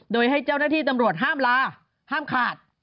โดยให้เจ้าหน้าที่ตำรวจห้ามลาห้ามขาด